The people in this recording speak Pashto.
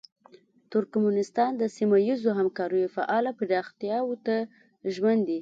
ترکمنستان د سیمه ییزو همکاریو فعاله پراختیاوو ته ژمن دی.